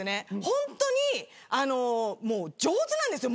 ホントに上手なんですよ